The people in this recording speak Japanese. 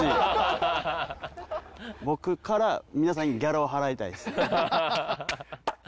僕から皆さんにギャラを払いたいです。